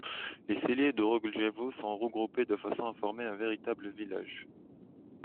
Les celliers de Rogljevo sont regroupés de façon à former un véritable village.